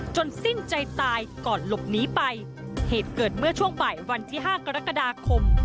สิ้นใจตายก่อนหลบหนีไปเหตุเกิดเมื่อช่วงบ่ายวันที่ห้ากรกฎาคม